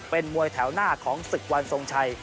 เป็นมวยแถวหน้าของศึกวันทรงชัย